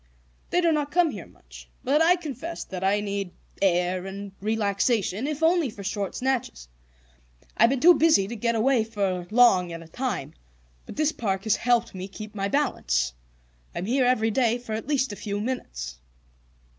"They do not come here much. But I confess that I need air and relaxation, even if only for short snatches. I've been too busy to get away for long at a time, but this park has helped me keep my balance I'm here every day for at least a few minutes."